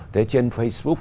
thế trên facebook